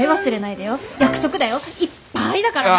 いっぱいだからね。